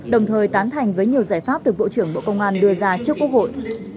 đồng thời tán thành với nhiều giải pháp được bộ trưởng bộ công an đưa ra trước quốc hội